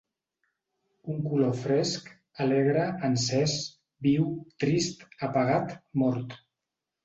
Un color fresc, alegre, encès, viu, trist, apagat, mort.